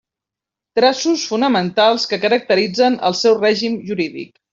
Traços fonamentals que caracteritzen el seu règim jurídic.